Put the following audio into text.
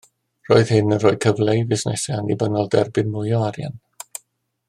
Roedd hyn yn rhoi cyfle i fusnesau annibynnol dderbyn mwy o arian